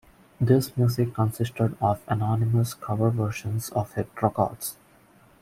The music consisted of anonymous cover versions of hit records.